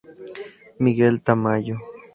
Miguel Tamayo.